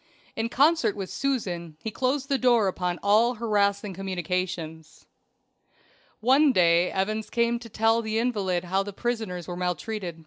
In concert with Susan he closed the door upon all harassing communications. One day Evans came to tell the invalid how the prisoners were maltreated.